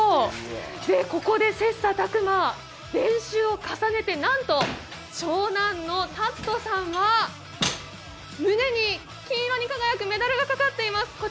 ここで切さたく磨練習を重ねてなんと、長男の尊さんは胸に金色に輝くメダルがかかっています。